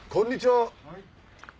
はい。